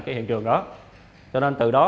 cái hiện trường đó cho nên từ đó